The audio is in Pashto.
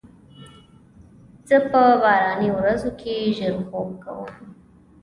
زه په باراني ورځو کې ژر خوب کوم.